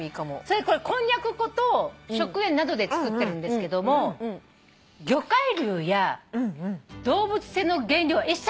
これこんにゃく粉と食塩などで作ってるんですけども魚介類や動物性の原料は一切使ってない。